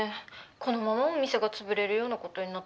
このままお店が潰れるようなことになったら。